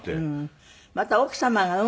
また奥様が運